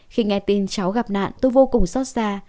khi nghe tin cháu gặp nạn tôi vô cùng xót xa